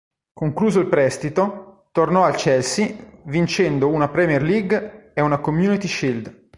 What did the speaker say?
Concluso il prestito, tornò al Chelsea vincendo una Premier League e un Community Shield.